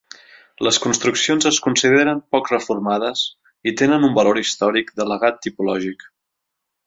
Les construccions es consideren poc reformades i tenen un valor històric de legat tipològic.